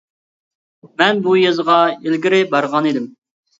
مەن بۇ يېزىغا ئىلگىرى بارغان ئىدىم.